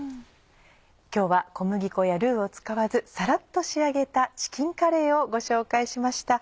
今日は小麦粉やルーを使わずさらっと仕上げた「チキンカレー」をご紹介しました。